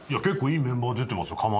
結構いいメンバー出てますよ。